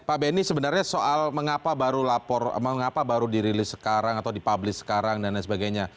pak benny sebenarnya soal mengapa baru di release sekarang atau di publish sekarang dan lain sebagainya